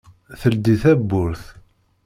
Teldi tawwurt.